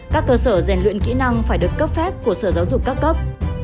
các cơ sở rèn luyện kỹ năng phải được cấp phép của sở giáo dục các cấp